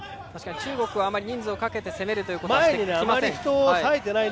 中国はあまり人数をかけて攻めることはしてきません。